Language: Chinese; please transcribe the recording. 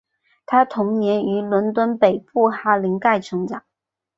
她童年于伦敦北部哈林盖成长。